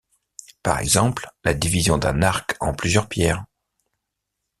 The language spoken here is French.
Par exemple, la division d'un arc en plusieurs pierres.